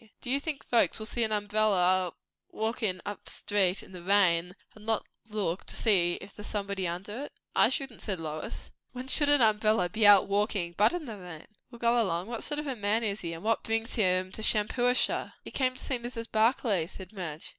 "Do you think folks will see an umbrella walkin' up street in the rain, and not look to see if there's somebody under it?" "I shouldn't," said Lois. "When should an umbrella be out walking, but in the rain?" "Well, go along. What sort of a man is he? and what brings him to Shampuashuh?" "He came to see Mrs. Barclay," said Madge.